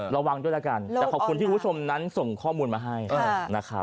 ระวังด้วยแล้วกันแต่ขอบคุณที่คุณผู้ชมนั้นส่งข้อมูลมาให้นะครับ